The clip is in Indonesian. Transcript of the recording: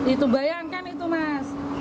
itu bayangkan itu mas